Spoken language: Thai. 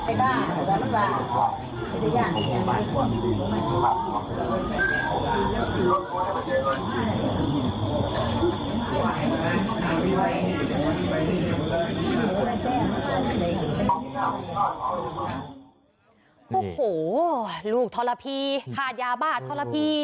โอ้โหลูกทรพีขาดยาบ้าทรพี